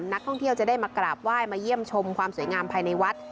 นักท่องเที่ยวจะได้มากราบไหว้มาเยี่ยมชมความสวยงามภายในวัด